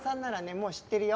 もう知ってるよ。